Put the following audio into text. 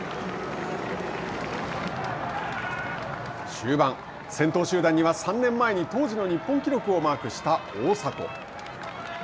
終盤、先頭集団には３年前に当時の日本記録をマークした大迫。